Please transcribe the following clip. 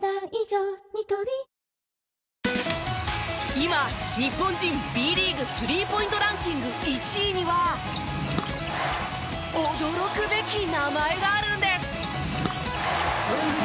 今日本人Ｂリーグスリーポイントランキング１位には驚くべき名前があるんです！